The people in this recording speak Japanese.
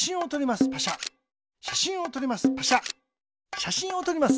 しゃしんをとります。